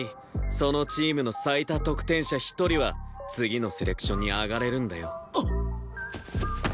そのチームの最多得点者１人は次のセレクションに上がれるんだよ。